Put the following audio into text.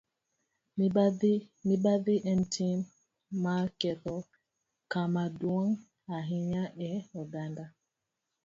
Mibadhi en tim ma ketho kama duong' ahinya e oganda..